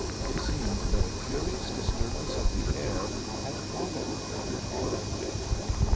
It seemed that a curious disturbance of the air had followed them audibly.